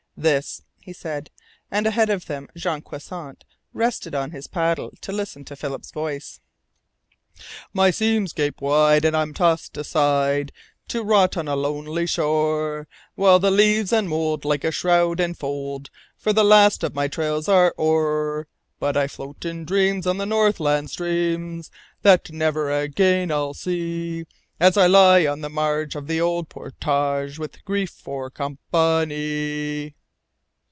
"This," he said, and ahead of them Jean Croisset rested on his paddle to listen to Philip's voice: "My seams gape wide, and I'm tossed aside To rot on a lonely shore, While the leaves and mould like a shroud enfold, For the last of my trails are o'er; But I float in dreams on Northland streams That never again I'll see, As I lie on the marge of the old Portage, With grief for company."